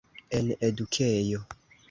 En edukejo.